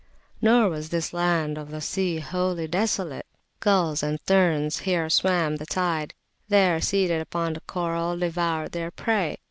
Nor was this Land of the Sea wholly desolate. Gulls and terns here swam the tide; there, seated upon the coral, devoured their prey.